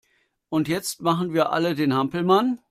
Und jetzt machen wir alle den Hampelmann!